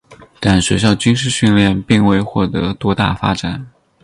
但学校军事训练并未获得多大发展。